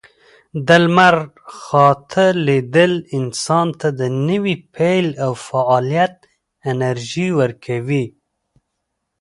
د لمر خاته لیدل انسان ته د نوي پیل او فعالیت انرژي ورکوي.